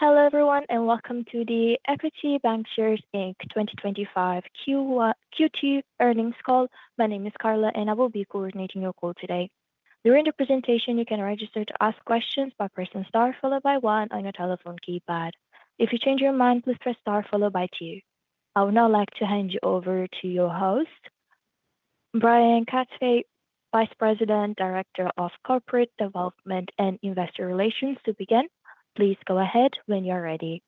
Hello everyone, and welcome to the Equity Bancshares, Inc 2025 Q2 earnings call. My name is Carla, and I will be coordinating your call today. During the presentation, you can register to ask questions by pressing star followed by one on your telephone keypad. If you change your mind, please press star followed by two. I would now like to hand you over to your host, Brian Katzfey, Vice President, Director of Corporate Development and Investor Relations. To begin, please go ahead when you are ready.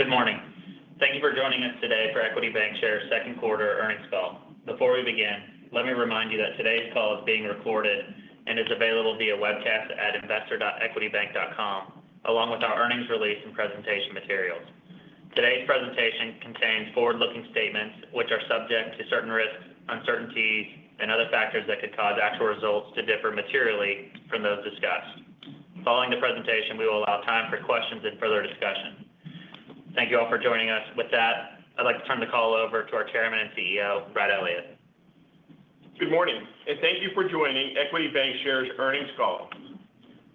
Good morning. Thank you for joining us today for Equity Bancshares' second quarter earnings call. Before we begin, let me remind you that today's call is being recorded and is available via webcast at investor.equitybank.com, along with our earnings release and presentation materials. Today's presentation contains forward-looking statements, which are subject to certain risks, uncertainties, and other factors that could cause actual results to differ materially from those discussed. Following the presentation, we will allow time for questions and further discussion. Thank you all for joining us. With that, I'd like to turn the call over to our Chairman and CEO, Brad Elliott. Good morning, and thank you for joining Equity Bancshares' earnings call.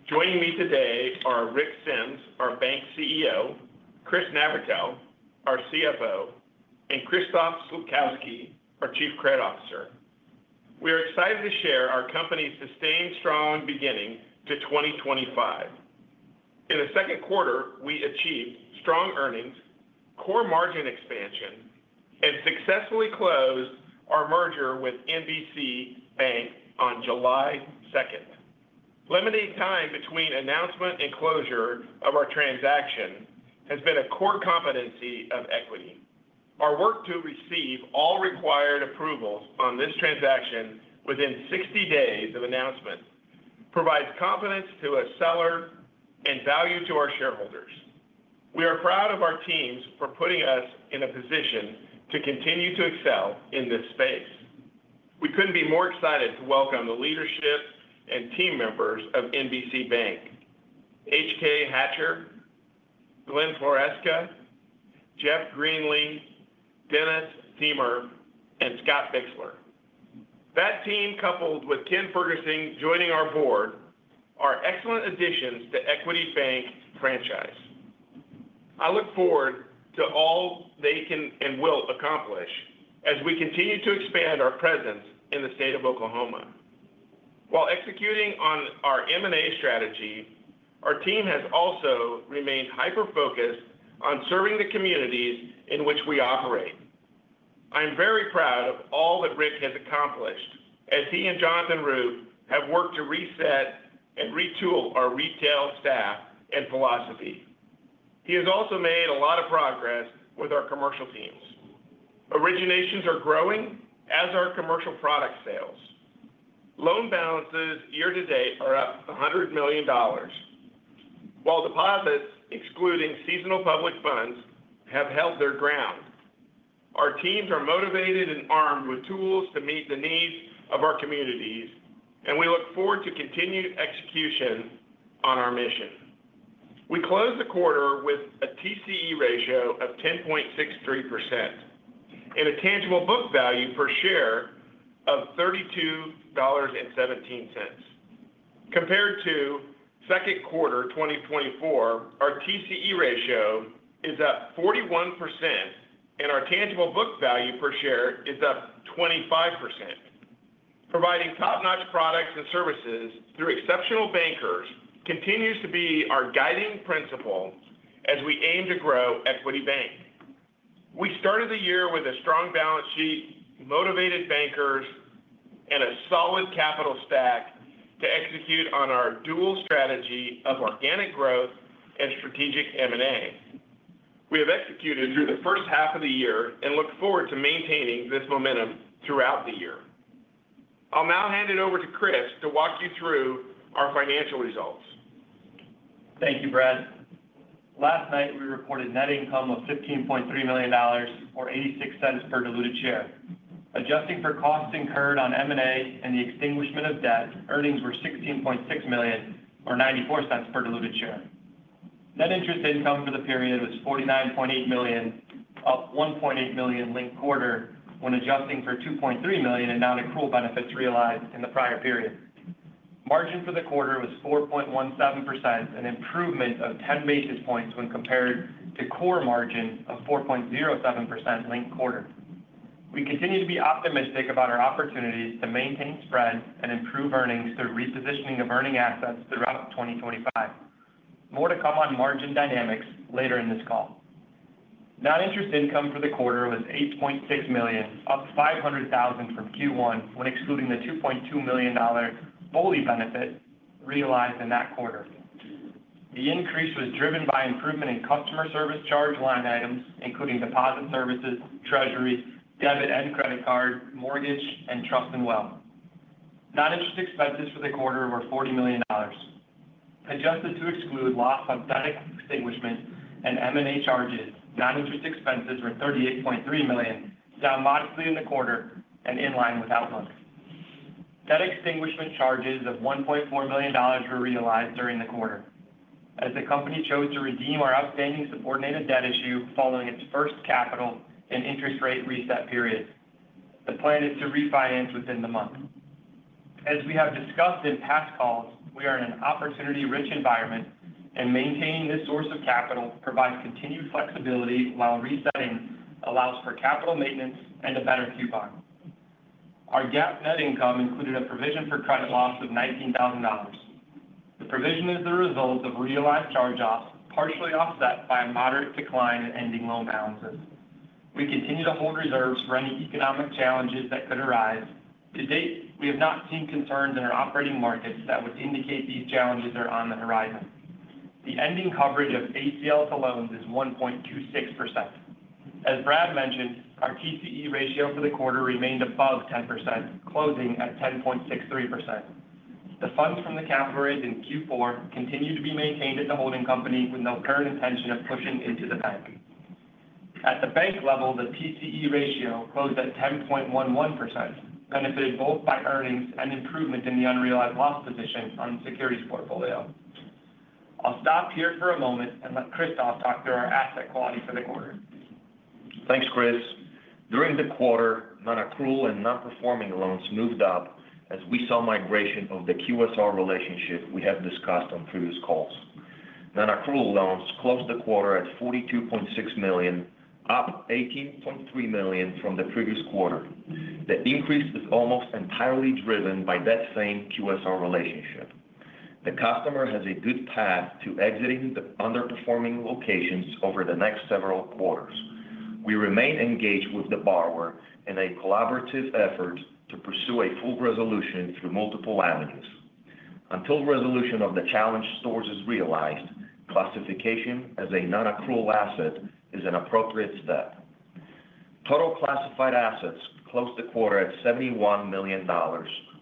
Joining me today are Rick Sems, our Bank CEO, Chris Navratil, our CFO, and Kristof Slupkowski, our Chief Credit Officer. We are excited to share our company's sustained strong beginning to 2025. In the second quarter, we achieved strong earnings, core margin expansion, and successfully closed our merger with NBC Bank on July 2nd. Limiting time between announcement and closure of our transaction has been a core competency of Equity. Our work to receive all required approvals on this transaction within 60 days of announcement provides confidence to a seller and value to our shareholders. We are proud of our teams for putting us in a position to continue to excel in this space. We couldn't be more excited to welcome the leadership and team members of NBC Bank: H.K. Hatcher, Glenn Floresca, Jeff Greenlee, Dennis Diemer, and Scott Bixler. That team, coupled with Ken Ferguson joining our board, are excellent additions to the Equity Bank franchise. I look forward to all they can and will accomplish as we continue to expand our presence in the state of Oklahoma. While executing on our M&A strategy, our team has also remained hyper-focused on serving the communities in which we operate. I'm very proud of all that Rick has accomplished, as he and Jonathan Roop have worked to reset and retool our retail staff and philosophy. He has also made a lot of progress with our commercial teams. Originations are growing, as are our commercial product sales. Loan balances year-to-date are up $100 million, while deposits, excluding seasonal public funds, have held their ground. Our teams are motivated and armed with tools to meet the needs of our communities, and we look forward to continued execution on our mission. We closed the quarter with a TCE ratio of 10.63% and a tangible book value per share of $32.17. Compared to second quarter 2024, our TCE ratio is up 41%, and our tangible book value per share is up 25%. Providing top-notch products and services through exceptional bankers continues to be our guiding principle as we aim to grow Equity Bank. We started the year with a strong balance sheet, motivated bankers, and a solid capital stack to execute on our dual strategy of organic growth and strategic M&A. We have executed through the first half of the year and look forward to maintaining this momentum throughout the year. I'll now hand it over to Chris to walk you through our financial results. Thank you, Brad. Last night, we reported net income of $15.3 million or $0.86 per diluted share. Adjusting for costs incurred on M&A and the extinguishment of debt, earnings were $16.6 million or $0.94 per diluted share. Net interest income for the period was $49.8 million, up $1.8 million linked quarter when adjusting for $2.3 million in non-accrual benefits realized in the prior period. Margin for the quarter was 4.17%, an improvement of 10 basis points when compared to core margin of 4.07% linked quarter. We continue to be optimistic about our opportunities to maintain spread and improve earnings through repositioning of earning assets throughout 2025. More to come on margin dynamics later in this call. Net interest income for the quarter was $8.6 million, up $500,000 from Q1 when excluding the $2.2 million BOLI benefit realized in that quarter. The increase was driven by improvement in customer service charge line items, including deposit services, treasury, debit and credit card, mortgage, and trust and wealth. Net interest expenses for the quarter were $40 million. Adjusted to exclude loss of debt extinguishment and M&A charges, net interest expenses were $38.3 million, down modestly in the quarter and in line with outlook. Debt extinguishment charges of $1.4 million were realized during the quarter, as the company chose to redeem our outstanding subordinated debt issue following its first capital and interest rate reset period. The plan is to refinance within the month. As we have discussed in past calls, we are in an opportunity-rich environment, and maintaining this source of capital provides continued flexibility while resetting allows for capital maintenance and a better coupon. Our GAAP net income included a provision for credit loss of $19,000. The provision is the result of realized charge-offs, partially offset by a moderate decline in ending loan balances. We continue to hold reserves for any economic challenges that could arise. To date, we have not seen concerns in our operating markets that would indicate these challenges are on the horizon. The ending coverage of ACL to loans is 1.26%. As Brad mentioned, our TCE ratio for the quarter remained above 10%, closing at 10.63%. The funds from the capital raised in Q4 continue to be maintained at the holding company with no current intention of pushing into the bank. At the bank level, the TCE ratio closed at 10.11%, benefited both by earnings and improvement in the unrealized loss position on the securities portfolio. I'll stop here for a moment and let Kristof talk through our asset quality for the quarter. Thanks, Chris. During the quarter, non-accrual and non-performing loans moved up as we saw migration of the QSR relationship we have discussed on previous calls. Non-accrual loans closed the quarter at $42.6 million, up $18.3 million from the previous quarter. The increase is almost entirely driven by that same QSR relationship. The customer has a good path to exiting the underperforming locations over the next several quarters. We remain engaged with the borrower in a collaborative effort to pursue a full resolution through multiple avenues. Until resolution of the challenge sources realized, classification as a non-accrual asset is an appropriate step. Total classified assets closed the quarter at $71 million,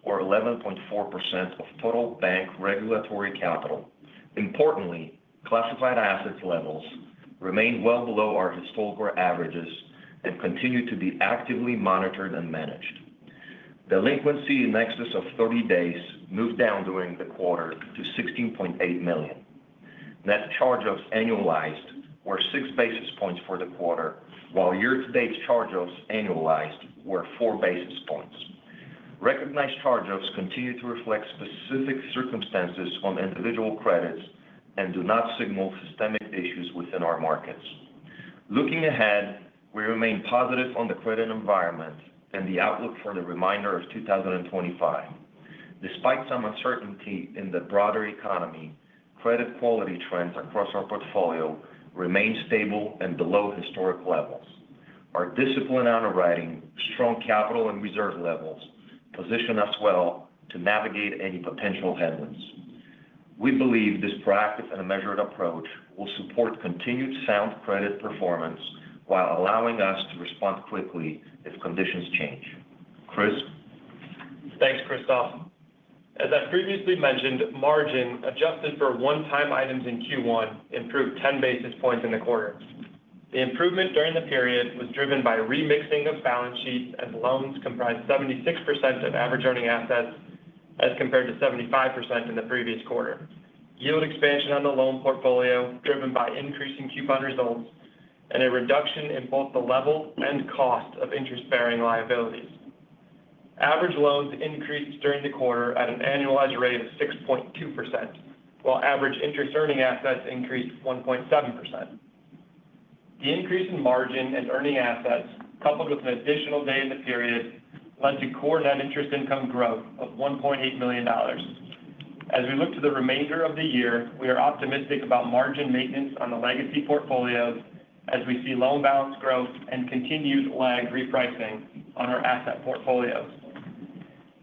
or 11.4% of total bank regulatory capital. Importantly, classified assets levels remained well below our historical averages and continue to be actively monitored and managed. Delinquency in excess of 30 days moved down during the quarter to $16.8 million. Net charge-offs annualized were six basis points for the quarter, while year-to-date charge-offs annualized were four basis points. Recognized charge-offs continue to reflect specific circumstances on individual credits and do not signal systemic issues within our markets. Looking ahead, we remain positive on the credit environment and the outlook for the remainder of 2025. Despite some uncertainty in the broader economy, credit quality trends across our portfolio remain stable and below historic levels. Our discipline on writing, strong capital, and reserve levels position us well to navigate any potential headwinds. We believe this proactive and measured approach will support continued sound credit performance while allowing us to respond quickly if conditions change. Chris? Thanks, Kristof. As I previously mentioned, margin adjusted for one-time items in Q1 improved 10 bps in the quarter. The improvement during the period was driven by remixing of balance sheets, as loans comprised 76% of average earning assets as compared to 75% in the previous quarter. Yield expansion on the loan portfolio was driven by increasing coupon results and a reduction in both the level and cost of interest-bearing liabilities. Average loans increased during the quarter at an annualized rate of 6.2%, while average interest earning assets increased 1.7%. The increase in margin and earning assets, coupled with an additional day in the period, led to core net interest income growth of $1.8 million. As we look to the remainder of the year, we are optimistic about margin maintenance on the legacy portfolios as we see loan balance growth and continued lag repricing on our asset portfolios.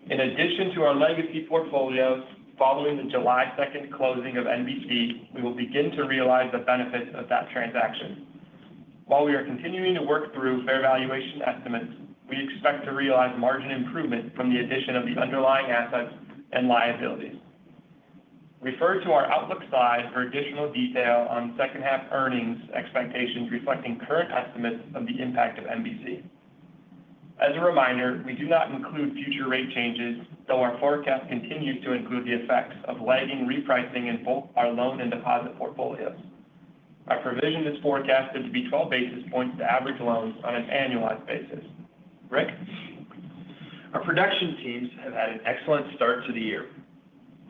In addition to our legacy portfolios, following the July 2nd closing of NBC, we will begin to realize the benefits of that transaction. While we are continuing to work through fair valuation estimates, we expect to realize margin improvement from the addition of the underlying assets and liabilities. Refer to our outlook slide for additional detail on second half earnings expectations reflecting current estimates of the impact of NBC. As a reminder, we do not include future rate changes, though our forecast continues to include the effects of lagging repricing in both our loan and deposit portfolios. Our provision is forecasted to be 12 bps to average loans on an annualized basis. Rick? Our production teams have had an excellent start to the year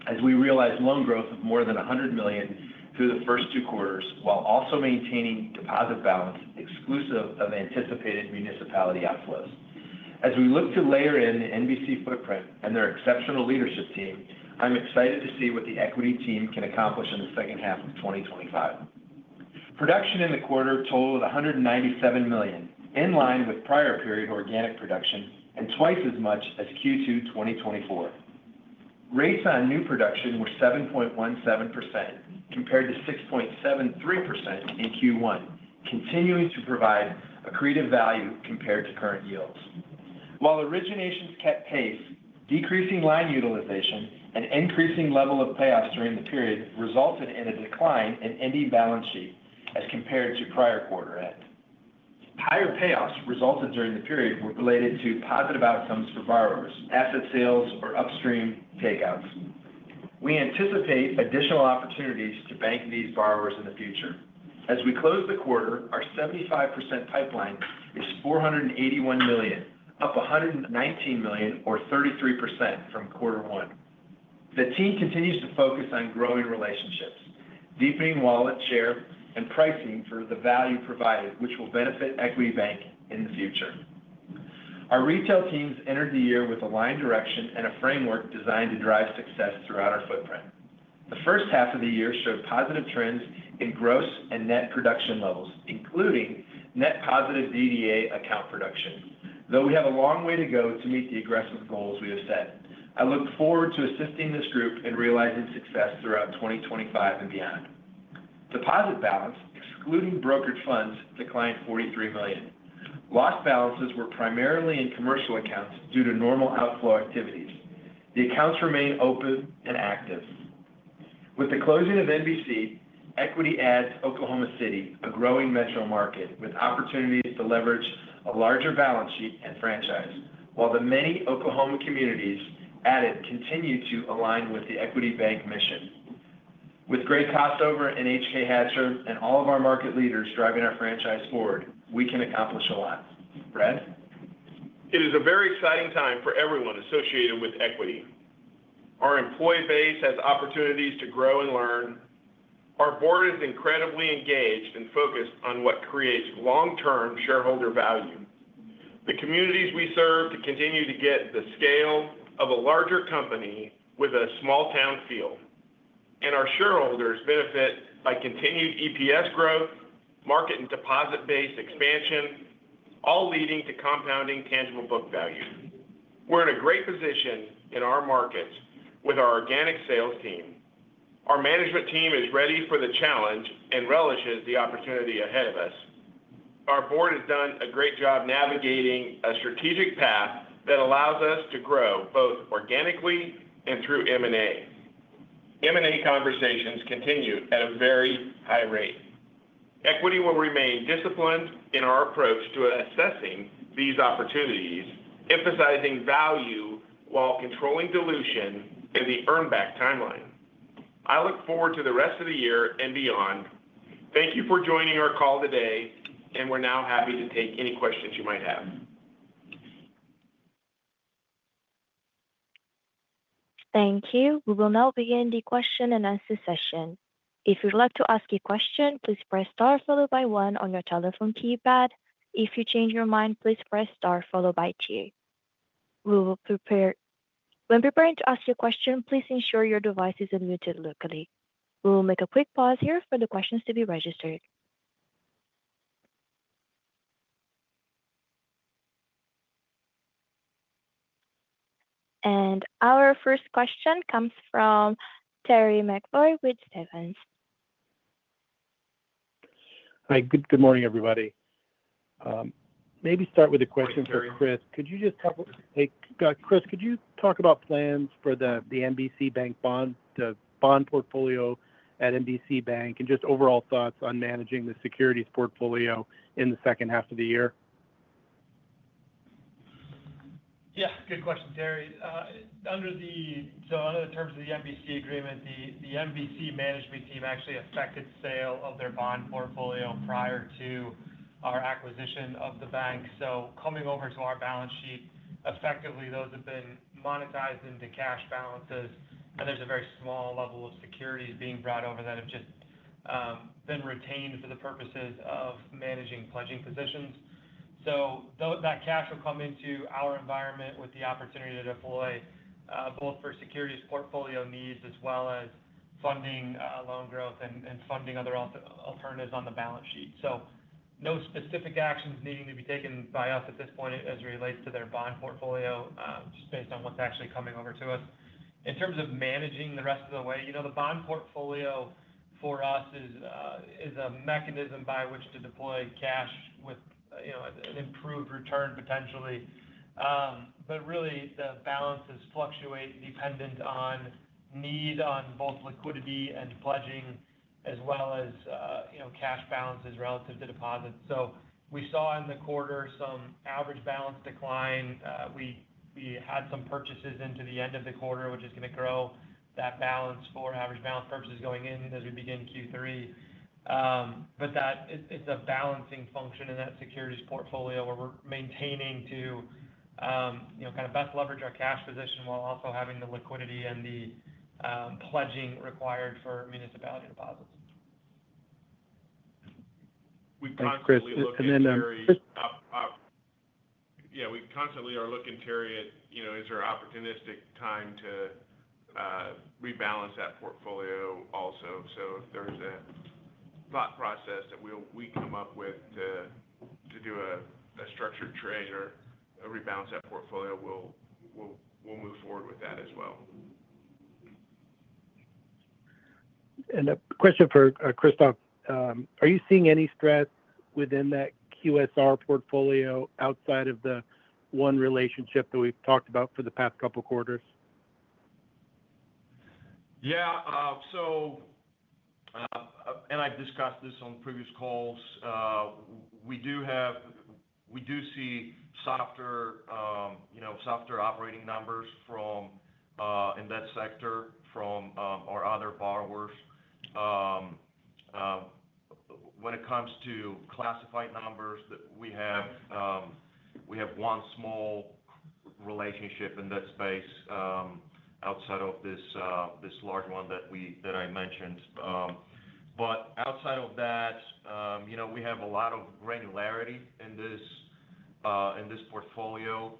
as we realized loan growth of more than $100 million through the first two quarters, while also maintaining deposit balance exclusive of anticipated municipality outflows. As we look to layer in the NBC footprint and their exceptional leadership team, I'm excited to see what the Equity team can accomplish in the second half of 2025. Production in the quarter totaled $197 million, in line with prior period organic production and twice as much as Q2 2024. Rates on new production were 7.17% compared to 6.73% in Q1, continuing to provide a creative value compared to current yields. While originations kept pace, decreasing line utilization and increasing level of payoffs during the period resulted in a decline in ending balance sheet as compared to prior quarter end. Higher payoffs resulted during the period were related to positive outcomes for borrowers, asset sales, or upstream takeouts. We anticipate additional opportunities to bank these borrowers in the future. As we close the quarter, our 75% pipeline is $481 million, up $119 million or 33% from quarter one. The team continues to focus on growing relationships, deepening wallet share, and pricing for the value provided, which will benefit Equity Bank in the future. Our retail teams entered the year with a line direction and a framework designed to drive success throughout our footprint. The first half of the year showed positive trends in gross and net production levels, including net positive DDA account production, though we have a long way to go to meet the aggressive goals we have set. I look forward to assisting this group in realizing success throughout 2025 and beyond. Deposit balance, excluding brokered funds, declined $43 million. Lost balances were primarily in commercial accounts due to normal outflow activities. The accounts remain open and active. With the closing of NBC, Equity adds Oklahoma City, a growing metro market with opportunities to leverage a larger balance sheet and franchise, while the many Oklahoma communities added continue to align with the Equity Bank mission. With Greg Kossover and H.K. Hatcher and all of our market leaders driving our franchise forward, we can accomplish a lot. Brad? It is a very exciting time for everyone associated with Equity. Our employee base has opportunities to grow and learn. Our board is incredibly engaged and focused on what creates long-term shareholder value. The communities we serve continue to get the scale of a larger company with a small-town feel, and our shareholders benefit by continued EPS growth, market and deposit-based expansion, all leading to compounding tangible book value. We're in a great position in our markets with our organic sales team. Our management team is ready for the challenge and relishes the opportunity ahead of us. Our board has done a great job navigating a strategic path that allows us to grow both organically and through M&A. M&A conversations continue at a very high rate. Equity will remain disciplined in our approach to assessing these opportunities, emphasizing value while controlling dilution in the earn-back timeline. I look forward to the rest of the year and beyond. Thank you for joining our call today, and we're now happy to take any questions you might have. Thank you. We will now begin the question and answer session. If you'd like to ask a question, please press star followed by one on your telephone keypad. If you change your mind, please press star followed by two. When preparing to ask a question, please ensure your device is unmuted locally. We will make a quick pause here for the questions to be registered. Our first question comes from Terry McEvoy with Stephens. All right. Good morning, everybody. Maybe start with a question for Chris. Could you just take, Chris, could you talk about plans for the NBC Bank bond, the bond portfolio at NBC Bank, and just overall thoughts on managing the securities portfolio in the second half of the year? Yeah. Good question, Terry. Under the terms of the NBC agreement, the NBC management team actually effected the sale of their bond portfolio prior to our acquisition of the bank. Coming over to our balance sheet, effectively, those have been monetized into cash balances, and there's a very small level of securities being brought over that have just been retained for the purposes of managing pledging positions. That cash will come into our environment with the opportunity to deploy both for securities portfolio needs as well as funding loan growth and funding other alternatives on the balance sheet. No specific actions need to be taken by us at this point as it relates to their bond portfolio, just based on what's actually coming over to us. In terms of managing the rest of the way, the bond portfolio for us is a mechanism by which to deploy cash with an improved return potentially. Really, the balances fluctuate dependent on need on both liquidity and pledging as well as cash balances relative to deposits. We saw in the quarter some average balance decline. We had some purchases into the end of the quarter, which is going to grow that balance for average balance purchases going in as we begin Q3. It is a balancing function in that securities portfolio where we're maintaining to best leverage our cash position while also having the liquidity and the pledging required for municipality deposits. Yeah. We constantly are looking, Terry, at, you know, is there an opportunistic time to rebalance that portfolio also? If there's a thought process that we come up with to do a structured trade or rebalance that portfolio, we'll move forward with that as well. Are you seeing any stress within that QSR portfolio outside of the one relationship that we've talked about for the past couple of quarters? Yeah. I've discussed this on previous calls, we do have, we do see softer operating numbers in that sector from our other borrowers. When it comes to classified numbers that we have, we have one small relationship in that space outside of this large one that I mentioned. Outside of that, we have a lot of granularity in this portfolio.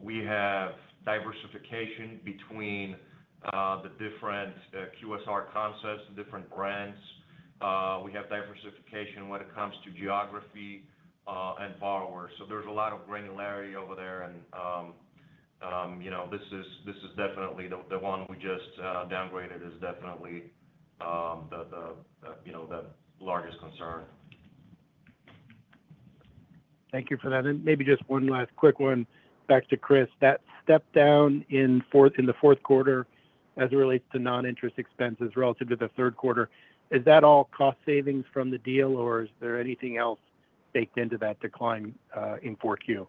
We have diversification between the different QSR concepts, the different brands. We have diversification when it comes to geography and borrowers. There's a lot of granularity over there. This is definitely the one we just downgraded, it is definitely the largest concern. Thank you for that. Maybe just one last quick one back to Chris. That step down in the fourth quarter as it relates to non-interest expenses relative to the third quarter, is that all cost savings from the deal, or is there anything else baked into that decline in 4Q?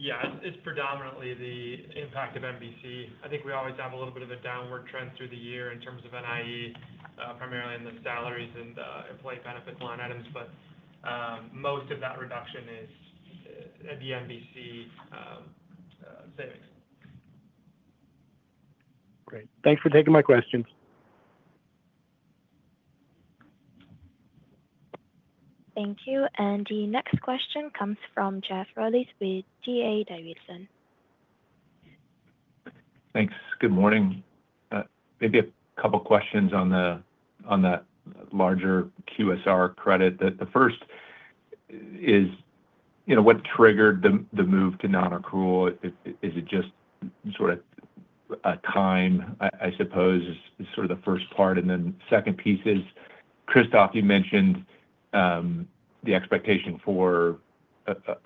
Yeah. It's predominantly the impact of NBC. I think we always have a little bit of a downward trend through the year in terms of NIE, primarily in the salaries and the employee benefits line items. Most of that reduction is, at NBC, savings. Great. Thanks for taking my questions. Thank you. The next question comes from Jeff Rulis with D.A. Davidson. Thanks. Good morning. Maybe a couple of questions on that larger QSR credit. The first is, you know, what triggered the move to non-accrual? Is it just sort of a time, I suppose, is sort of the first part? The second piece is, Kristof, you mentioned the expectation for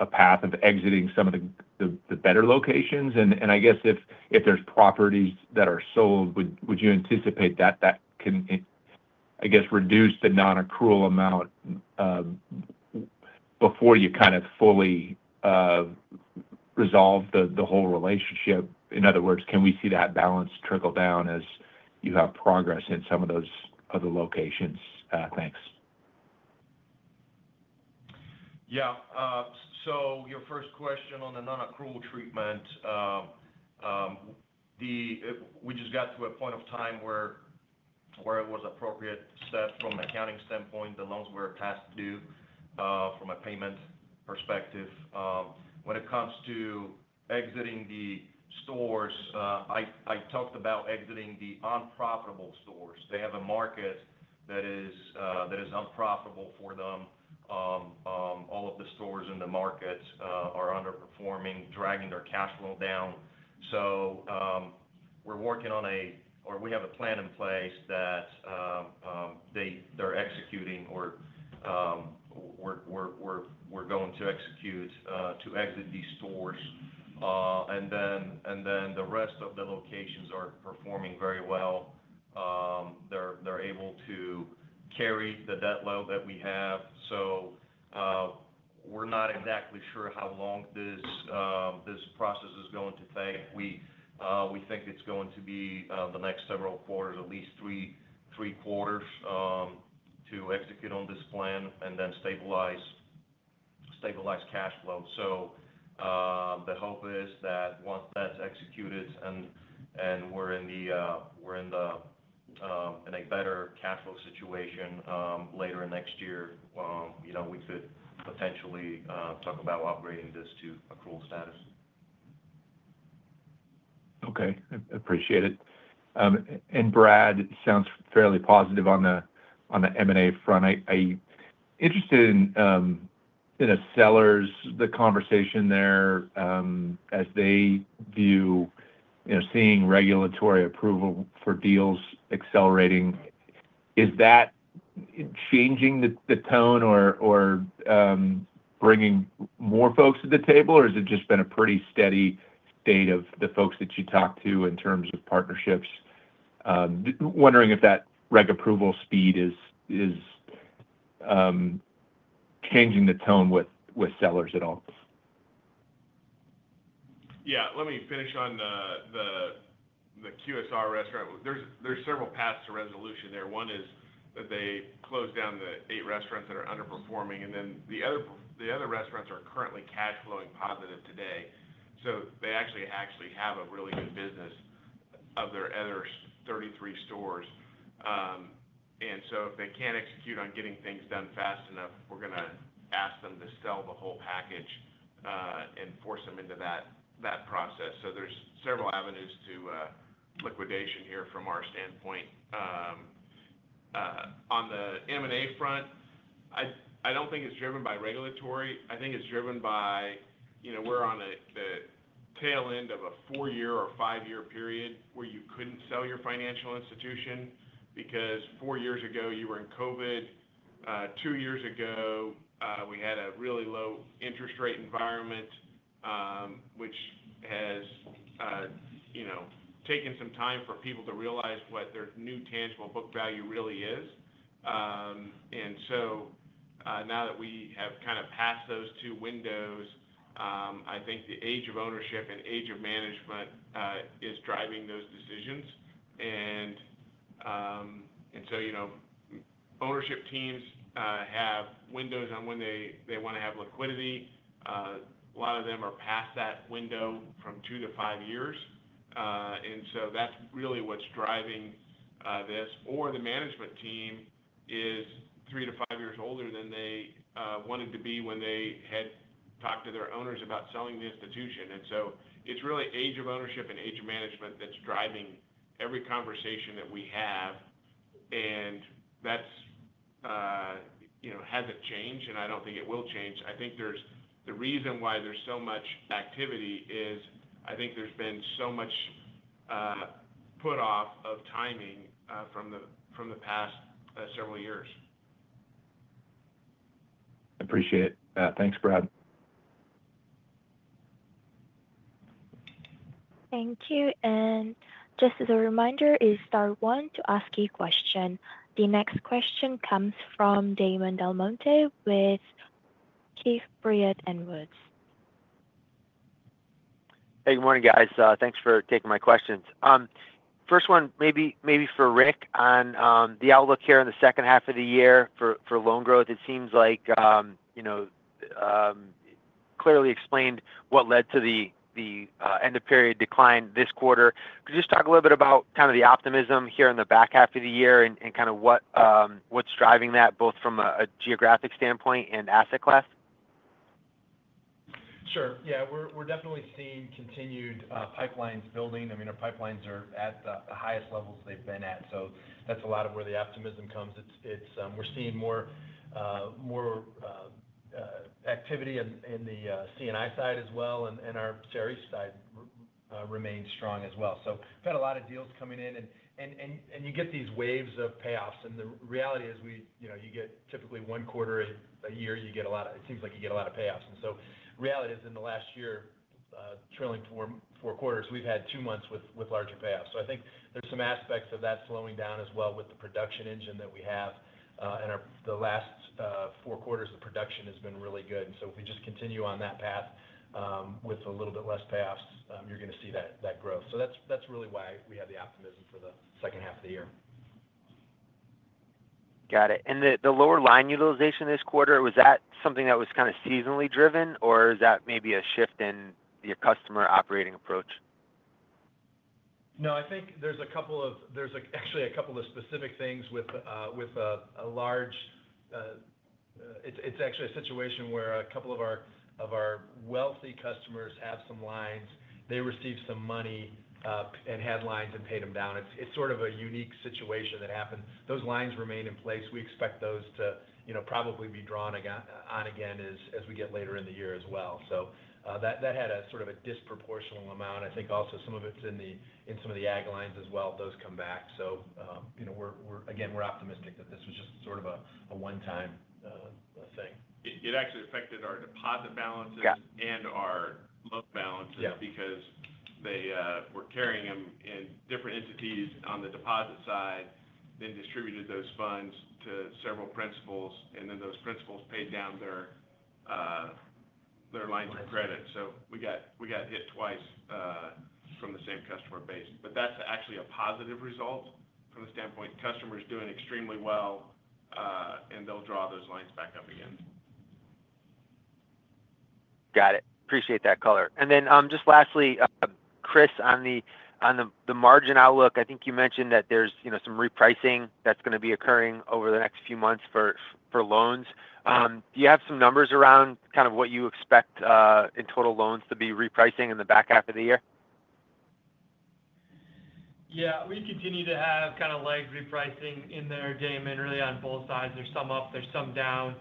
a path of exiting some of the better locations. I guess if there's properties that are sold, would you anticipate that can, I guess, reduce the non-accrual amount before you fully resolve the whole relationship? In other words, can we see that balance trickle down as you have progress in some of those other locations? Thanks. Yeah. Your first question on the non-accrual treatment, we just got to a point of time where it was appropriate to step from an accounting standpoint. The loans were past due from a payment perspective. When it comes to exiting the stores, I talked about exiting the unprofitable stores. They have a market that is unprofitable for them. All of the stores in the market are underperforming, dragging their cash flow down. We're working on a plan in place that they're executing, or we're going to execute, to exit these stores. The rest of the locations are performing very well. They're able to carry the debt load that we have. We're not exactly sure how long this process is going to take. We think it's going to be the next several quarters, at least three quarters, to execute on this plan and then stabilize cash flow. The hope is that once that's executed and we're in a better cash flow situation later in next year, you know, we could potentially talk about upgrading this to accrual status. Okay. I appreciate it. Brad sounds fairly positive on the M&A front. I'm interested in a seller's conversation there, as they view seeing regulatory approval for deals accelerating. Is that changing the tone or bringing more folks to the table, or has it just been a pretty steady state of the folks that you talk to in terms of partnerships? Wondering if that reg approval speed is changing the tone with sellers at all. Yeah. Let me finish on the QSR restaurant. There's several paths to resolution there. One is that they close down the eight restaurants that are underperforming, and then the other restaurants are currently cash flowing positive today. They actually have a really good business of their other 33 stores, and if they can't execute on getting things done fast enough, we're going to ask them to sell the whole package and force them into that process. There's several avenues to liquidation here from our standpoint. On the M&A front, I don't think it's driven by regulatory. I think it's driven by, you know, we're on the tail end of a four-year or five-year period where you couldn't sell your financial institution because four years ago, you were in COVID. Two years ago, we had a really low interest rate environment, which has taken some time for people to realize what their new tangible book value really is. Now that we have kind of passed those two windows, I think the age of ownership and age of management is driving those decisions. Ownership teams have windows on when they want to have liquidity. A lot of them are past that window from two to five years, and that's really what's driving this. The management team is three to five years older than they wanted to be when they had talked to their owners about selling the institution. It's really age of ownership and age of management that's driving every conversation that we have. That hasn't changed, and I don't think it will change. I think the reason why there's so much activity is there's been so much put-off of timing from the past several years. I appreciate it. Thanks, Brad. Thank you. Just as a reminder, it's star one to ask a question. The next question comes from Damon DelMonte with Keefe, Bruyette & Woods. Hey, good morning, guys. Thanks for taking my questions. First one, maybe for Rick on the outlook here in the second half of the year for loan growth. It seems like you clearly explained what led to the end-of-period decline this quarter. Could you just talk a little bit about the optimism here in the back half of the year and what's driving that, both from a geographic standpoint and asset class? Sure. Yeah. We're definitely seeing continued pipelines building. I mean, our pipelines are at the highest levels they've been at. That's a lot of where the optimism comes. We're seeing more activity in the C&I side as well. Our cherry side remains strong as well. We've had a lot of deals coming in. You get these waves of payoffs. The reality is, you know, you get typically one quarter a year, you get a lot of, it seems like you get a lot of payoffs. The reality is in the last year, trailing four quarters, we've had two months with larger payoffs. I think there's some aspects of that slowing down as well with the production engine that we have. The last four quarters of production has been really good. If we just continue on that path, with a little bit less payoffs, you're going to see that growth. That's really why we have the optimism for the second half of the year. Got it. The lower line utilization this quarter, was that something that was kind of seasonally driven, or is that maybe a shift in your customer operating approach? I think there's a couple of specific things with a large, it's actually a situation where a couple of our wealthy customers have some lines. They received some money and had lines and paid them down. It's sort of a unique situation that happened. Those lines remain in place. We expect those to probably be drawn on again as we get later in the year as well. That had a sort of a disproportional amount. I think also some of it's in some of the ag lines as well. Those come back. We're optimistic that this was just sort of a one-time thing. It actually affected our deposit balances and our loan balances because they were carrying them in different entities on the deposit side, then distributed those funds to several principals, and then those principals paid down their lines of credit. We got hit twice from the same customer base. That's actually a positive result from the standpoint. Customers doing extremely well, and they'll draw those lines back up again. Got it. Appreciate that color. Lastly, Chris, on the margin outlook, I think you mentioned that there's, you know, some repricing that's going to be occurring over the next few months for loans. Do you have some numbers around kind of what you expect, in total loans to be repricing in the back half of the year? Yeah. We continue to have kind of lagged repricing in there, Damon, really on both sides. There's some up, there's some down.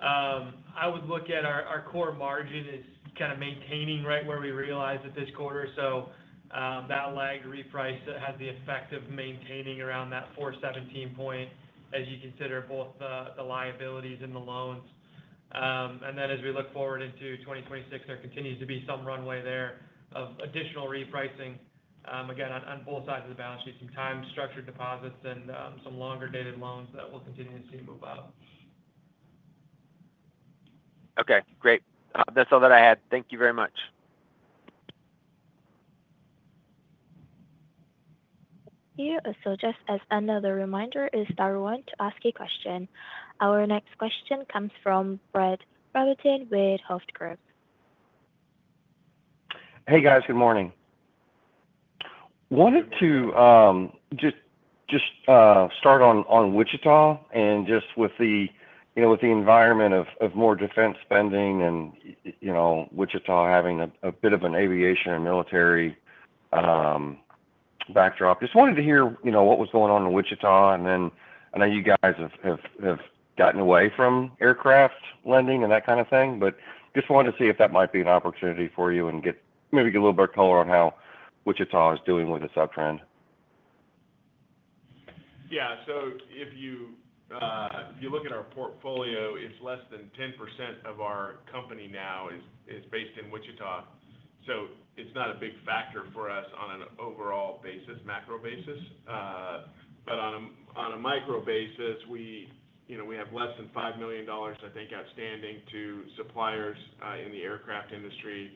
I would look at our core margin as kind of maintaining right where we realized it this quarter. That lagged reprice has the effect of maintaining around that 417 point as you consider both the liabilities and the loans. As we look forward into 2026, there continues to be some runway there of additional repricing, again, on both sides of the balance sheet, some time-structured deposits and some longer-dated loans that we'll continue to see move up. Okay. Great. That's all that I had. Thank you very much. Thank you. Just as another reminder, it is star one to ask a question. Our next question comes from Brett Rabatin with Hovde Group. Hey, guys. Good morning. Wanted to start on Wichita and just with the environment of more defense spending and, you know, Wichita having a bit of an aviation and military backdrop. Just wanted to hear what was going on in Wichita. I know you guys have gotten away from aircraft lending and that kind of thing, but just wanted to see if that might be an opportunity for you and maybe get a little bit of color on how Wichita is doing with the subtrend. Yeah. If you look at our portfolio, it's less than 10% of our company now is based in Wichita. It's not a big factor for us on an overall, macro basis. On a micro basis, we have less than $5 million, I think, outstanding to suppliers in the aircraft industry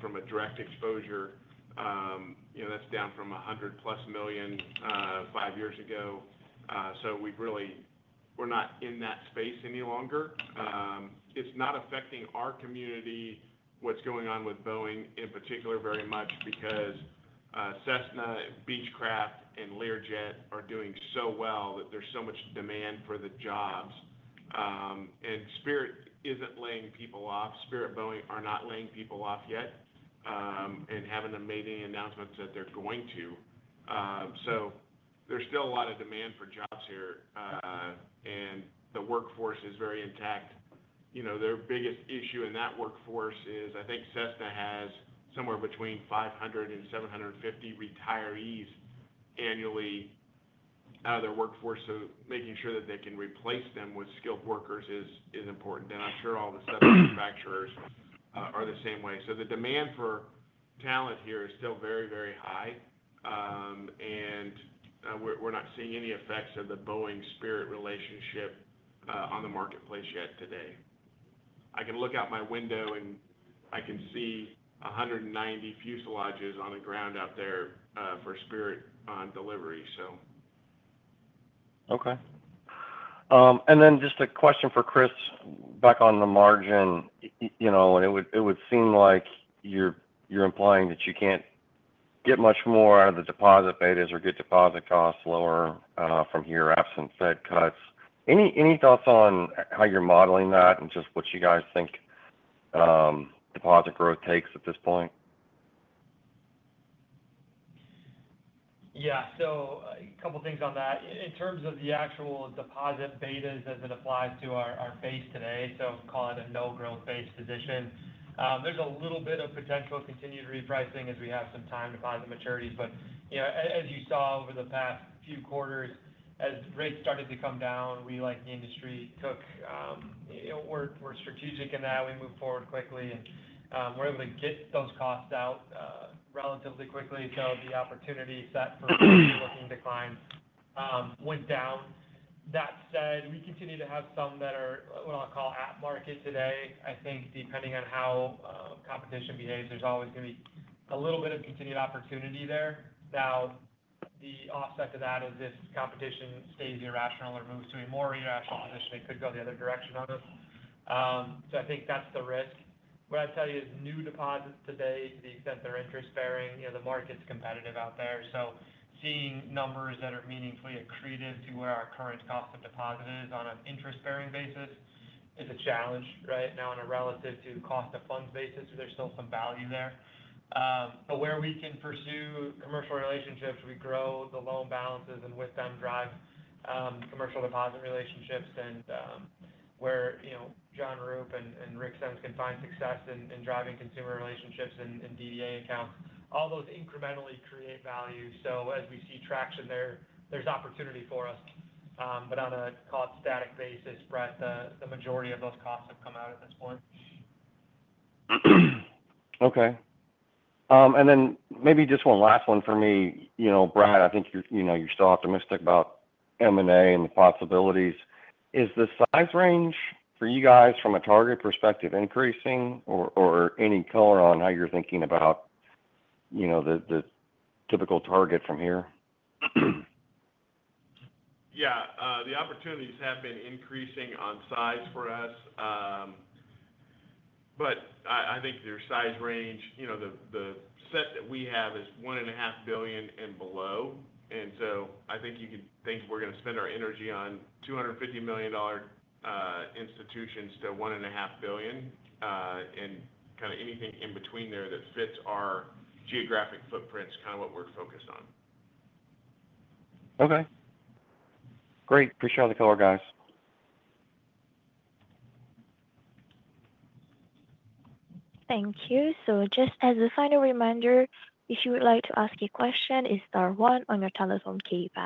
from a direct exposure. That's down from $100+ million five years ago. We've really, we're not in that space any longer. It's not affecting our community, what's going on with Boeing in particular very much because Cessna, Beechcraft, and Learjet are doing so well that there's so much demand for the jobs. Spirit isn't laying people off. Spirit-Boeing are not laying people off yet, and haven't made any announcements that they're going to. There's still a lot of demand for jobs here, and the workforce is very intact. Their biggest issue in that workforce is I think Cessna has somewhere between 500 and 750 retirees annually out of their workforce. Making sure that they can replace them with skilled workers is important. I'm sure all the subcontractors are the same way. The demand for talent here is still very, very high. We're not seeing any effects of the Boeing-Spirit relationship on the marketplace yet today. I can look out my window and I can see 190 fuselages on the ground out there for Spirit on delivery. Okay, and then just a question for Chris back on the margin. It would seem like you're implying that you can't get much more out of the deposit betas or get deposit costs lower from here absent Fed cuts. Any thoughts on how you're modeling that and just what you guys think deposit growth takes at this point? Yeah. A couple of things on that. In terms of the actual deposit betas as it applies to our base today, call it a no-growth base position. There's a little bit of potential continued repricing as we have some time to find the maturities. As you saw over the past few quarters, as rates started to come down, we, like the industry, were strategic in that. We move forward quickly, and we're able to get those costs out relatively quickly. The opportunity set for forward-looking declines went down. That said, we continue to have some that are what I'll call at market today. I think depending on how competition behaves, there's always going to be a little bit of continued opportunity there. The offset to that is if competition stays irrational or moves to a more irrational position, it could go the other direction on us. I think that's the risk. What I'd tell you is new deposits today, to the extent they're interest-bearing, the market's competitive out there. Seeing numbers that are meaningfully accretive to where our current cost of deposit is on an interest-bearing basis is a challenge, right? On a relative to cost of funds basis, there's still some value there. Where we can pursue commercial relationships, we grow the loan balances and with them drive commercial deposit relationships. Where John Roop and Rick Sems can find success in driving consumer relationships and DDA accounts, all those incrementally create value. As we see traction there, there's opportunity for us. On a static basis, Brett, the majority of those costs have come out at this point. Okay. Maybe just one last one for me. Brad, I think you're still optimistic about M&A and the possibilities. Is the size range for you guys from a target perspective increasing, or any color on how you're thinking about the typical target from here? Yeah, the opportunities have been increasing on size for us. I think there's size range. You know, the set that we have is $1.5 billion and below. I think you could think we're going to spend our energy on $250 million institutions to $1.5 billion, and anything in between there that fits our geographic footprint is what we're focused on. Okay. Great. Appreciate all the color, guys. Thank you. Just as a final reminder, if you would like to ask a question, it's star one on your telephone keypad.